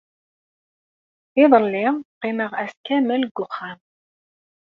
Iḍelli, qqimeɣ ass kamel deg uxxam.